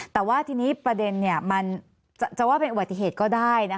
แต่ว่าทีนี้ประเด็นมันจะว่าเป็นอุบัติเหตุก็ได้